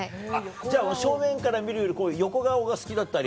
じゃあ正面から見るより横顔が好きだったり。